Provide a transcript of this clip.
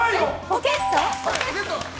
ポケット！